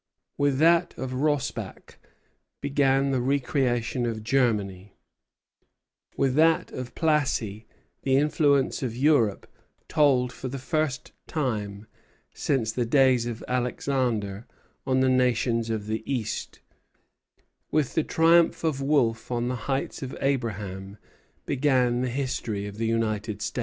With that of Rossbach began the re creation of Germany, with that of Plassey the influence of Europe told for the first time since the days of Alexander on the nations of the East; with the triumph of Wolfe on the Heights of Abraham began the history of the United States."